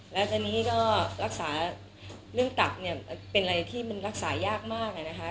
แล้วตอนนี้ก็รักษาเรื่องตับเนี่ยเป็นอะไรที่มันรักษายากมากเลยนะคะ